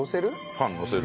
パンのせる。